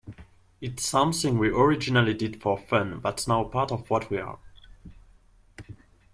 It's something we originally did for fun, that's now part of what we are.